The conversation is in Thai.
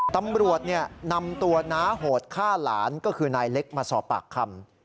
ตำรวจนำตัวน้าโหดฆ่าหลานก็คือนายเล็กมาสอบปากคำ